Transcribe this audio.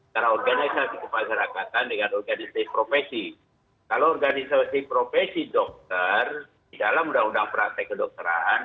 karena organisasi kemasyarakatan dengan organisasi profesi kalau organisasi profesi dokter di dalam undang undang praktek kedokteran